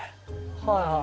はいはい。